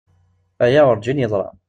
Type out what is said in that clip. Aya urǧin yeḍra.